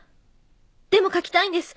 でも書きたいんです。